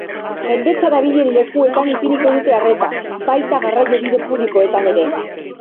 Jendetza dabilen lekuetan ipiniko dute arreta, baita garraiobide publikoetan ere.